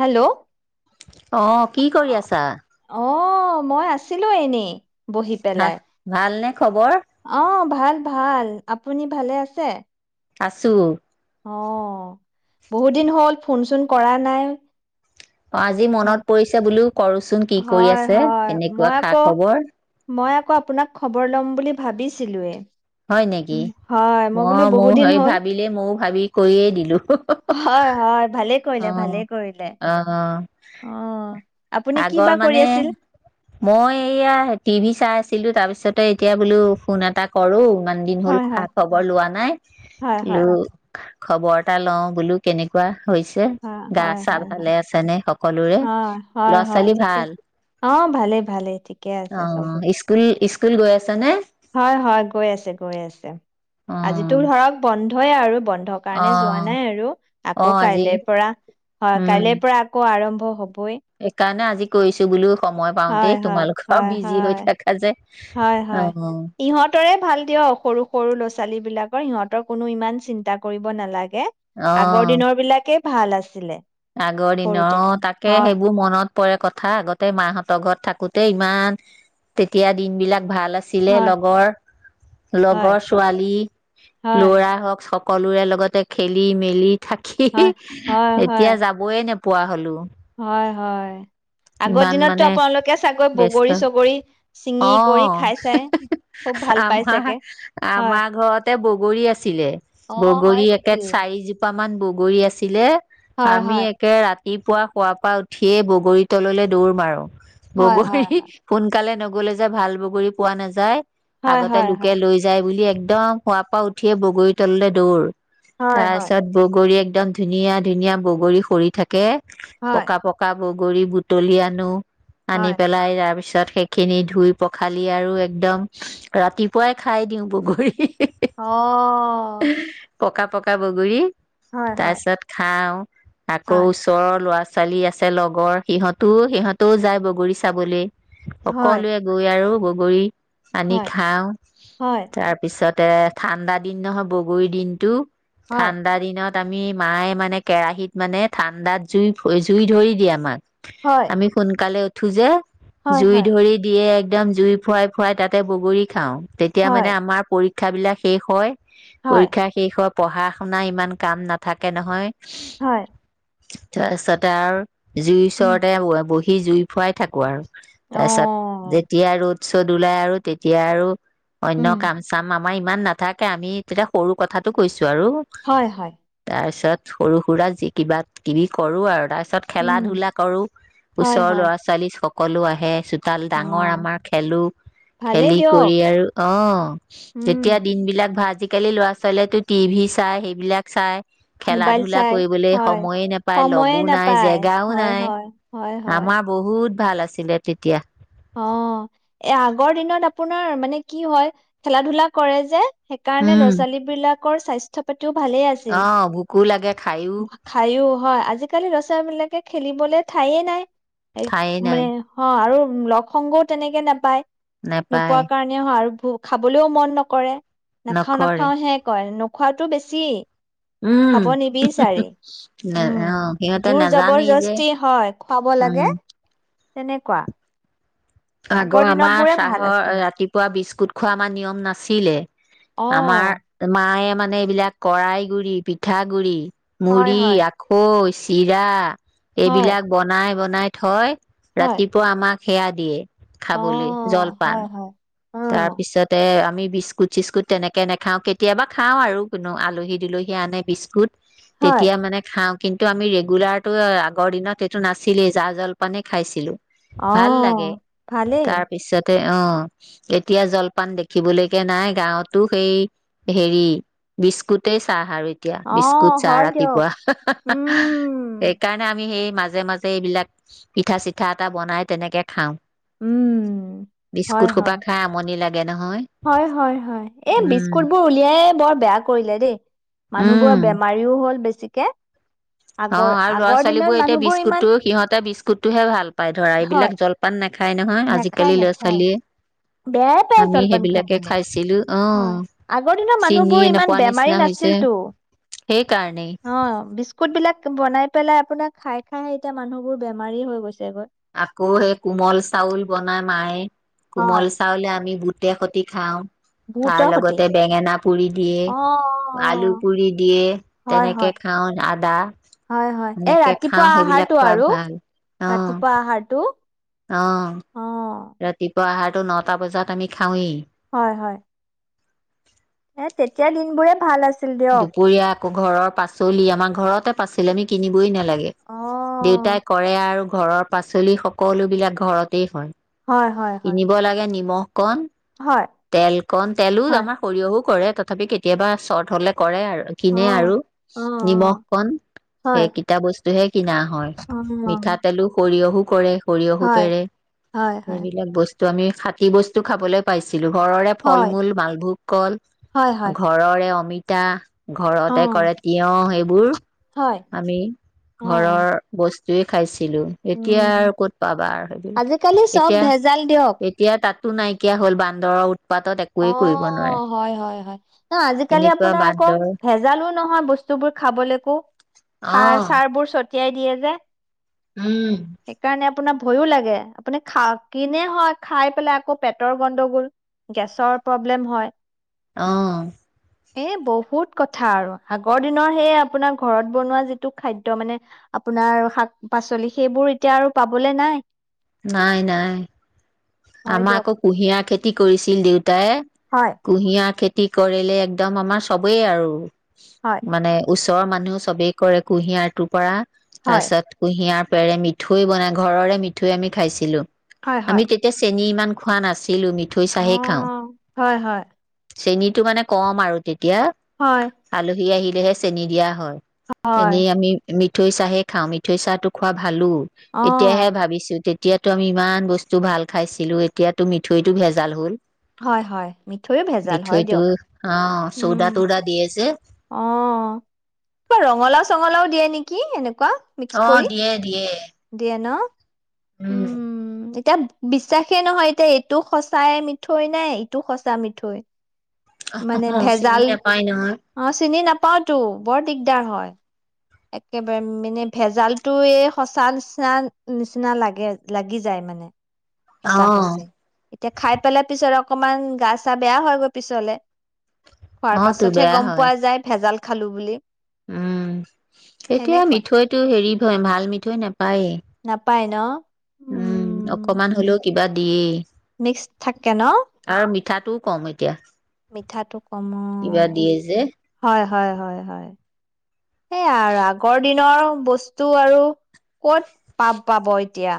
Hello অ আহ কি কৰি আছা অ মই আছিলো এনেই বহি ভ পেলাই ভাল নে খবৰ অ ভাল ভাল আপুনি ভালে আছে আছো অ বহুত দিন হ'ল ফোন চোন কৰা নাই অ আজি ম- মনত পৰিছে বোলো কৰোচোন কি কৰি হয় আছে হয় সেনেকুৱা মই খা আকৌ খবৰ মই আকৌ আপোনাক খবৰ ল'ম বুলি ভাবিছিলোয়ে হয় নেকি উম, হয় মই ম বোলো বহুত মোৰ দিন হে হ'ল ভাবিলে মই ভাবি কৰিয়ে দিলো হয় হয়, ভালে কৰিলে। অ' ভালেই কৰিলে অ' অ। আপুনি কি আগৰ বা কৰি মানে আছিল মই এয়া টিভি চাই আছো ছিলো তাৰ পিছতে এতিয়া বোলো ফোন এটা কৰোঁ। ইমান দিন হ'ল হয় খা হয় খবৰ লোৱা নাই হয় ল হয় খবৰ এটা লও বোলো কেনেকুৱা। হৈছে হয় হয় গা-চা হয় হয় ভালে আছে নে সকলোৰে? হয় হয় ল'ৰা হয় ছোৱালী ঠিকে আছে। ভাল? অ ভালে ভালে ঠিক অ ই্কুল স্কুল গৈ আছে নে? হয় হয় গৈ আছে গৈ আছে অ', আজিতো ধৰক বন্ধই আৰু বন্ধ কাৰণে যোৱা অ', নাই আৰু আকৌ অ', আজি কাইলে পৰা হয় উম, কাইলে পৰা আকৌ আৰম্ভ। অ হব সেইকাৰণে আজি কইছো বোলো সময় পাওঁতেই হয় হয়। তোমালোকৰ হয় বিজি হৈ হয়। থাকা যে। হয় হয়। অ', ইহঁতেৰে ভাল দিয় সৰু সৰু ল'ৰা ছোল ছোৱালী বিলাকৰ সিহঁতৰ কোনো ইমান চিন্তা কৰিব নালাগে। গে আগৰ অ', দিনৰ বিলাকে ভাল আছিলে। আগৰ সৰুতে দিনৰ তাকে হয় সেইবোৰ মনত পৰে কথা আগতে মাহঁতৰ ঘৰত থাকোঁতে ইমান, তেতিয়া দিনবলাক ভাল আছিলে হয় লগৰ হয় লগৰ ছোৱালী হয় লৰা হওক সকলোৰে লগতে খেলি মেলি থাকি হয় হয় হয় সেই হয় এতিয়া যাবইে নাপ পোৱা হ'লো। হয় হয় আগৰ ইমান দিনততো মানে আপোনালোকে চাগৈ বেস্ত বগৰী চগৰী ছিঙি অ কৰি খাই চাই খুব ভাল পাই আমাৰ চাগে হয়। আমাৰ ঘৰতে বগৰী আছিলে অ হয় বগৰী একে নেকি? চাৰিজোপা ইমান বগৰী আছিলে। হয় আমি হয় একে ৰাতি ৰাতিপুৱা শুৱাৰ পৰা উঠিয়েই বগৰী তললৈ দৌৰ মাৰোঁ। হয় বগৰী হয় হয় সোনকালে ন গ'লে যে ভাল বগী পোৱা নাযায়। হয় আগতে হয় লোকে লৈ যায় বুলি এক একদম শুৱ পৰা উঠিয়ে বগৰী তললৈ দৌৰ। হয় হয় তাৰপাছত বগৰী এক দম ধুনীয়া ধুনীয়া! বগৰী সৰি থাকে। হয় হয় পকা পকা বগৰী গৰী বুটলি আনোঁ। আনি হয় পেলাই তাৰ পিছত সেইখিনি ধুই-পখালি আৰু একদম ৰাতিপুৱাই খাই দিওঁ বগৰী। অ'হ-। পকা পকা বগৰী তাৰপাছত খাওঁ। আকৌ হয় ওচৰৰ ল'ৰা ছাৱালী ছোৱালী আছে লগৰ, সিহঁতো সিহঁতেও যায় বগৰী চাবলে। হয় সকলোৱে গৈ আৰু বগৰী বগৰী আনি হয় খাওঁ। হয় তাৰ পিছত তে ঠাণ্ডা দিন নহয় বগৰীৰ দিনটো। হয় ঠাণ্ডা দিনত আমি- মায়ে মানে কেৰাহিত মানে ঠাণ্ডাত জুই-ফই জুই ধৰি দিয়ে আমাক। হয় হয় আমি সোনকালে উত ঠোজে হয় জুই ধৰি দিয়ে এগ্‌ এদম জুই ফুৱাই ফুৱাই তাতে বগৰী খাওঁ। তেতিয়া মানে হয় আমাৰ পৰীক ক্ষাবিলাক শেষ হয় হয় পৰীক্ষা শেষত পঢ়া-শুনা ইমান কাম নাথাকে নহয়। হয়। তাৰছতে আৰ্‌ জুইৰ উম ওচৰতে ওৱা বৈ ই জুই ফোৱাই থাকোঁ আৰু। অ তাৰছত যেতিয়া ৰ'দ চ'দ ওলাই আৰু তেতিয়া আৰু-অন্য উম কাম-চাম আমাৰ ইমান নাথাকে আমি তেতিয়া সৰু কথাটো কৈছোঁ। আৰু হয় হয় তাৰছত সৰু সুৰা যি কিবা কিবি কৰোঁ আৰু তাৰ ছত উম খেলা-ধূলা কৰোঁ, হয় ওচৰৰ হয় ল'ৰা ছোৱালী সকলো আহে চুত তাল অ ডাঙৰ আমাৰ খেলোঁ, ভালেই খেলি দিয়ক কৰি আৰু অহ, উম যেতিয়া দিন বিলাক ভা, আজি আজিকালি ল'ৰা ছোৱালীয়েতো টি ভি চায়, সেইবিলাক চায় মোবাইল খেলা-ধূলা চাই, কৰিবলৈ হয়। সময়ে নোপায়, সময়ে লগো নাই, নাপায়। জেগাও হয়, নাই। হয়, হয়, হয়। আমাৰ বহুত ভাল আছিলে তেতিয়া। অহ, এ আগৰ দিনত আপোনাৰ মানে কি হয় খেলা-ধূলা কৰে যে সেইকাৰণে ল'ৰা উম ছোৱালী বিলাক কৰ স্বাস্থ্য পাতি টো ভালে আছিল। অ', ভোকো লাগে খায়ো খাইও হয়, আজিকালি ল ছোৱালী বিলাকে খেলিবলৈ ঠাইে নাই। এই ঠায়ে নাই মানে অহ, আৰু উম লগ সংগও তেনেকে নাপায়। নেপায় নোপোৱা কাৰণেও হয় আৰু খাবলৈও মন নকৰে। নাখাও নকৰে নাখাও হে কয়, নুক খোৱাটো বেছি। উম খাব নিবিচাৰি, নে উম। অ', সিহঁতে জোৰ নাজানেই যে জবৰজস্তি, হয় খুৱাব লাগে। উম তেনেকুৱা। আগৰ দিনত আমাৰ বোৰে ভাল চাহৰ আছিল ৰাতিপুৱা বিশ কুট খোৱা আমাৰ নিয়ম নাছিলে। অ আমাৰ মায়ে মান মানে এইবিলাক কৰাই গুৰি, পিঠা গুৰি হয় হয় মুড়ি, আখৈচ চিৰা। হয় এইবিলাক বনাই বন নাই থয় হয় ৰাতিপুৱা আমাক সেয়া দিয়ে। অ খাবলৈ জলপান। হয় হয় অ তাৰ পিছতে এ, আমি বিস্কুট-চিস্কুট তেনেকে নেখাওঁ, কেতিয়াবা খাওঁ আৰু কোনো আলহী-দুলহীয়ে আনে বিস্কুট। হয় তেতিয়া মানে খাওঁ কিন্তু আমি ৰেগুলাৰটো আগৰ দিনত এইটো নাছিলেই জা জলপানেই খাইছিলো অ ভাল লাগে ভালেই তাৰ পিছতে অ', এতিয়া জলপান দেখিবলৈকে নাই। গাঁৱতো সেই হেৰি বিস্কুটেই চাহ আৰু। এতিয়া অ বিস্কুট চাহ হাঃ হাঃ হয় দিয়ক হাঃৰাতিপুৱা উম সেইকাৰণে আমি সেই মাজে মাজে এইবিলাক পিঠা-চিঠা এটা বনাই তেনেকে খাওঁ। উম বিস্কুট হয় সোপা হয় খাই আমনি লাগে নহয় হয় হয় হয় হয় এই উম বিস্কুট বোৰ উলিয়ায়েই বৰ বেয়া কৰিলে দেই উম মানুহবোৰৰ বেমাৰিও হল বেছি চিকে অ আৰু ল'ৰা ছোৱালী বোৰ এতিয়া বিস্কুতটোও সিহতে বিস্কুট কুটটোহে ভাল। পাই ধৰা এইবিলাক জলপান নাখায় নহয় আজিকালি নেখায় ল'ৰা নেখায় ছোৱালীয়ে বেয়াই পায় আমি জলপান সেইবিলাকে খাবলে খাইছিলো অ', হয় আগৰ দিনৰ চিনিয়ে মানুহবোৰ ইমান নোপোৱা বেমাৰী নিচিনা হৈছে নাছিলতো সেইকাৰণেই অ বিস্কুট বিলাক বনাই পেলাই আপোনাক খাই খাইহে এতিয়া মানুহবোৰ বেমাৰী হৈ গৈছেগৈ। আকৌ সেই কোমল চাউল বনা মায়ে কোমল হয় চাওলে আমি বুত বুটে সতি খাওঁ তাৰ বহুতৰ সতি। লগতে বেঙেনা পুৰি দিয়ে, অ অ অ। আলু পুৰি দিয়ে, হয় তেনেকে হয়। খাওঁ। আদা হয় হয় এই এনেকে খাওঁ, ৰাতিপুৱা সেইবিলাক আহাৰটো খোৱা ভাল। অহ। ত অঁ ৰাতিপোৱা আহাৰ নটা বজাত আমি খাওঁৱেই হয় হয় এ তেতিয়া দিনবোৰে ভাল আছি দুপৰীয়া আকৌ ঘৰৰ পাচলি আমাৰ ঘৰতে পাচলি আমি কিনিবই নালাগে অ দেউতাই কৰে আৰু ঘৰৰ পাচলি সকলো বিলাক ঘৰতেই হয় হয় হয় হয় কিনিব লাগে নিমখ কণ হয় তেল কণ তেলো হয়। আমাৰ সৰিয়হো কৰে তথাপি কেতিয়াবা চৰ্ট হ'লে কৰে আৰু অ কিনে আৰু অ অ নিমখ কণ হয় সেইকেইটা বস্তুহে কিনা হয়। অ মিঠাতেলো সৰিয়হো কৰে সৰিয়হো হয় পেৰে হয় হয়। সেইবিলাক বস্তু তো' আমি ষাটি বস্তু খাবলৈ পাইছো ছিলো, ঘৰৰে হয়, ফল-মূল মালভোগ কল, হয়, হয়, ঘৰৰে অমিতা তা ঘৰতে অ', কৰে তিয়হ সেইবোৰ হয়, আমি অ', ঘৰৰ বচ যি খাইছে খাইছিলো এতিয়া আৰু উম। ক'ত পাবা সেইবোৰ আজিকালি চব এতিয়া ভেজাল দিয়ক, এতিয়া তাত টো নাইকিয়া হ'ল বান্দৰ উৎ অহ, হয়, হয হয়। ন আজিকালি আপ্ এনেকুৱা আপোনাৰ আকৌ বান্দৰ ভেজালো নহয় বস্তুবোৰ খাবলৈকো সাৰ অ' চাৰ বোৰ পঠিয়াই দিয়ে যে। উম। সেইকাৰণে আপোনাৰ ভয়ো লাগে আপুনি খা কিনে হয় খাই পেলাই আকৌ পেটৰ গণ্ডগোল গেছৰ প্ৰব্লেম হয় অহ। এ বহুত কথা আৰু। আগৰ দিনৰ সেই আপোনাৰ ঘৰত বনোৱা যিটো খাদ্য মানে আপোনাৰ শাক-পাছলি সেইবোৰ এতিয়া আৰু পাবলে নাই। নাই নাই হয় আমাৰ দিয়ক, আকৌ কুঁহিয়াৰ খেতি কৰিছিল দেউতাই, হয়, কুঁহিয়াৰ খেতি কি কৰিলে একদম আমাৰ সবেই আৰু হয়। মানে উচ তৰ মানুহ সবেই কৰে কুঁহিয়াৰটোৰ পৰা। হয়, তাৰছত কুঁহিয়াৰ তাৰে মিঠৈ বনাই ঘৰৰে মিঠৈ আমি খাইছিলোঁ। হয় হয় চেনি ইমান খোৱা নাছিল পেলোঁ মিঠৈ অ'। চাহেই খাওঁ। হয়, হয়, চেনিটো মানে কম আৰু তেত তিয়া হয়, আলহী আহিল লেহে চেনি দিয়া হয়। হয়, এনেই আমি মিঠ মিঠৈ চাহে খাওঁ মিঠৈ চাহটো খোৱা ভালো অ', এতিয়াহে ভাবিছো তেতিয়া এতিয়াতো আমি ইমান বস্তু ভাল খাইছিলোঁ, এতিয়াতো মিঠৈতটো ভেজাল হ'ল। হয় হয়, মিঠৈও ভেজাল হয় মিঠৈটো দিয়ক। অ উম, চৌদা তৌদা দিয়ে যে অহ, কিবা ৰঙালাও-চঙলাও দিয়ে নি কি এনেক অহ, দিয়ে দিয়ে। দিয়ে ন? উম। এতিয়া বিশ্বাসেই নহয় এতিয়া এইটো সঁচাই মিঠৈ নে ইটো সঁচা মিঠৈ। অ মানে চিনি ভেজাল নাপায় নহয় অহ, চিনি নাপাওতো। বৰ দিগদাৰ। দাৰ হয়। একেবাৰে মানে ভেজালটো এই সঁচা নিচিনা-নিচিনা লাগে, লাগি যায় মানে। অ সঁচা-সচি, এতিয়া খাই পেলাই পিছৰক অকমান গা-চা বেয়া হয় গৈ পিছলে। অ খোৱাৰ তো পাছতহে বেয়া গম হয় পোৱা যায় ভেজাল খালোঁ বুলি উম এতিয়া সেনেকুৱাই মিঠৈটো হেৰি হয়, ভাল মিঠৈ নেপ পায়েই। পায় ন? উম, অকমান হলেও কিবা দিয়েই। মিক্স থাকে ন? আৰু মিঠাটোও কম এতিয়া মিঠাটো কম কিবা অ', দিয়ে যে হয়-হয়-হয়। সেয়া আৰু আগৰ দিন তিয়া আৰু বস্তু আৰু ক'ত পা- পাব এতিয়া?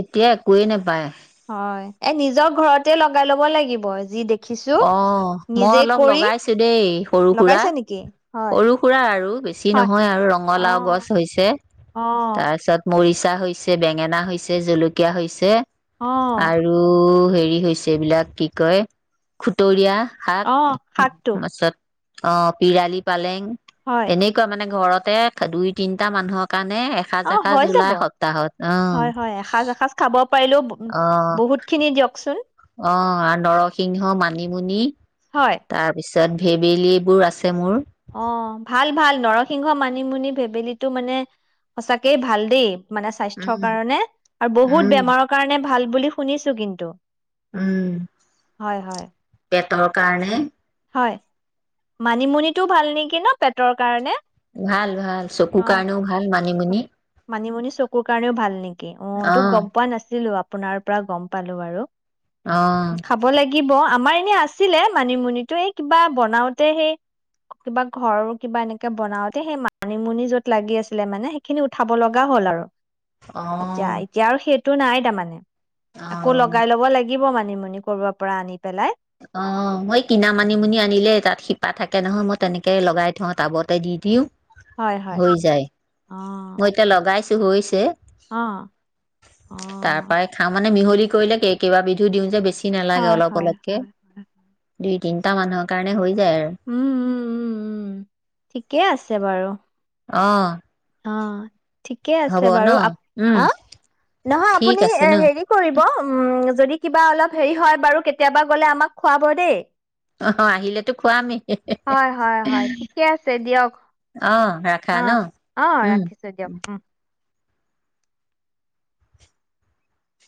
এতিয়া একোৱেই নাপায়। হয়। এ, নিজৰ ঘৰতে লগাই লব লাগিব যি দেখ অ', মই অলপ লগাইছোঁ দেই সৰু সুৰা। লগাইছা নেকি হয় সৰু সুৰা আৰু বেছি হয় নহয় আৰু অ ৰঙালাও গছ হৈছে, অ তাছত মৰিছ ছা হৈছে, বেঙেনা হৈছে, জলকীয়া হৈছে অ আৰু হেৰি হৈছে, এইবিলাক কি কয় খুতৰীয়া শাক অ', শাকটো। তাৰপিছত অ', পিৰালি পালে হয়, এনেকুৱা মানে ঘৰত তে দুই তিনিটা মানুহক কাৰণে এসাজ অ', এষাজ হৈ এষকজ যাব। ওলাই সপ্তাহত উম। পাইও বহুত খিনি দিয়কচোন অ, নৰসিংহ মানিমুনি হয়। তাৰপিছত য'ত ভেবেলী বোৰু আছে মোৰ। অ, ভাল ভাল নৰসিংহ মানিমুনি ভেবেলীটো মানে সঁচাকেই ভাল দেই,। মানে স্বাস্থ্যৰ উম, কাৰণে আৰু বহুত উম, বেমাৰৰ কাৰণে ভাল। বুলি শুনিছো কিন্তু। হয়, হয় তৰ কাৰণে,। হয়, মানিমুনিটো ভাল নেকি ন পেটৰ কাৰণে? ভাল ভাল অ'। চকুৰ কৰণে ভাল মান মানিমুনি চকুৰ কাৰণেও ভাল নেকি অ এইটো গম পোৱা নাছিলো আপোনাৰ পৰা গম পালো আৰু অ খাব লাগিব অ আমাৰ এনে আছিলে মানিমুনি টো এই কিবা বনাওতে সেই কিবা ঘৰ কিবা এনেকাে বনাওতে সেই মানিমুনি যত লাগি আছিলে মানে সেইখিনি উঠাব লগা হ'ল আৰু, অ এতিয়া, এতিয়া আৰু সেইটো। তটো নাই তাৰ মমানে অ [unintelligible] আৌ লগাই ল'ব লাগিব'। লাগিব মানিমুনি কৰাৰ পৰা আনি পেলাই,। অ, মই কিনা মানিমুনি আনিলেই তাত শিপা থাকে নহয় মই তেনেকে লগাই থওঁ টাবতে দি দিওঁ। হয় হয় হৈ যায় মই এতিয়া লগাইছো হৈছে'। আহ আহ মান মিহলি কৰিলেকে, কেইবা বিধু দিওঁ যে বেছি। নালাগে হয় হয় অলপ-অলপ। হয় হয় দুই তিনি'। পা মানুহৰ কাৰণে লল [inaudible] উম- উম- উম- উম ঠিকেই আছে বাৰু'। অ'। অ'। ঠিকে হ'ব আছে ন বাৰু হ উম নহয় ঠিক আপুনি আছে ন হেৰি কৰিব উ যদি কিবা অলপ হেৰি হয় বাৰু কেতিয়াবা গ'লে আমাক খোৱাব দেই'। আহ আহিলেতো খোৱামেই হে হে হয় হয় হয় ঠিকে আছে দিয়ক আহ ৰাখ অ, অ ৰাখিছো দিয়ক উম।